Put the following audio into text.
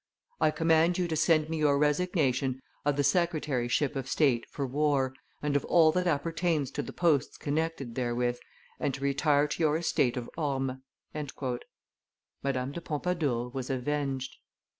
I command you to send me your resignation of the secretaryship of state for war, and of all that appertains to the posts connected therewith, and to retire to your estate of Ormes." Madame de Pompadour was avenged.